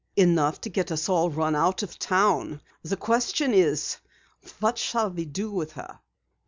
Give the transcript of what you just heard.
"Enough to get us all run out of town. The question is, what shall we do with her?"